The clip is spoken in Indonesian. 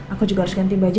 aku juga harus ganti baju